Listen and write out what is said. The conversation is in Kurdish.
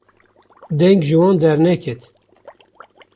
deng ji wan derneket